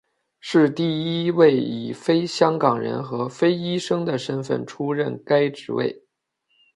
是第一位以非香港人和非医生的身份出任该职位。